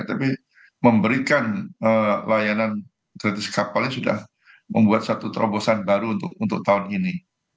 tapi memberikan layanan gratis kapalnya sudah membuat satu terobosan baru untuk tahun ini